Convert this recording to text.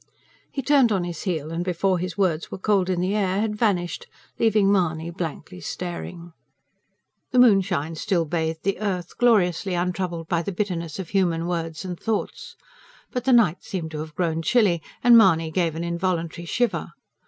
He turned on his heel, and before his words were cold on the air had vanished, leaving Mahony blankly staring. The moonshine still bathed the earth, gloriously untroubled by the bitterness of human words and thoughts. But the night seemed to have grown chilly; and Mahony gave an involuntary shiver.